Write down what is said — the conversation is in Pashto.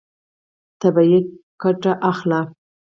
طبیعي ګټه اخله.